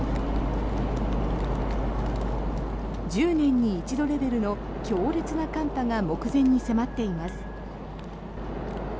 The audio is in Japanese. １０年に一度レベルの強烈な寒波が目前に迫っています。